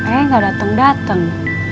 eh gak dateng dateng